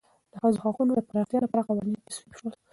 د ښځو حقوقو د پراختیا لپاره قوانین تصویب شول.